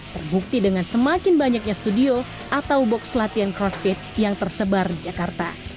terbukti dengan semakin banyaknya studio atau box latihan crossfit yang tersebar di jakarta